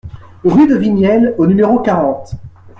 Rue de Vignelle au numéro quarante